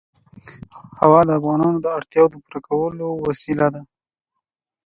هوا د افغانانو د اړتیاوو د پوره کولو وسیله ده.